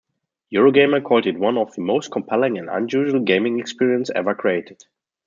Eurogamer called it one of the most compelling and unusual gaming experiences ever created.